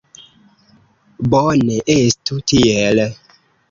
Bone, estu tiel.